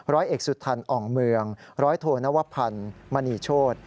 ร้อยเอกสุทันอ่องเมืองร้อยโทนวพันธ์มณีโชธ